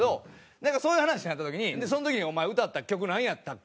なんかそういう話になった時に「その時にお前歌った曲なんやったっけ？」